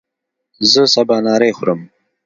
زه سبا نهاری خورم